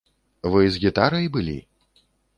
Вы з гітарай былі?